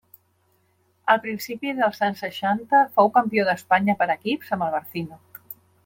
Al principi dels anys seixanta fou campió d'Espanya per equips amb el Barcino.